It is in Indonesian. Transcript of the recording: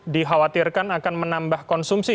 dikhawatirkan akan menambah konsumsi